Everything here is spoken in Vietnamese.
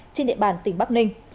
trên địa bàn tỉnh bắc ninh